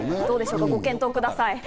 どうでしょうか、ご検討ください。